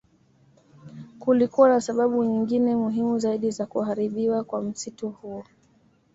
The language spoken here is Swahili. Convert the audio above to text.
Kulikuwa na sababu nyingine muhimu zaidi za kuharibiwa kwa msitu huo